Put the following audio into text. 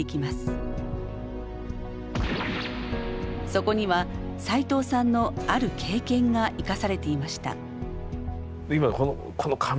そこにはさいとうさんのある経験が生かされていました。